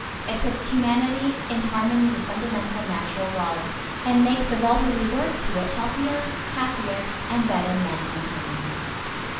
It puts humanity in harmony with fundamental natural laws, and makes of all who resort to it healthier, happier and better men and women.